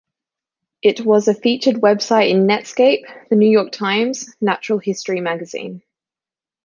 It was a featured website in Netscape, the "New York Times", "Natural History Magazine".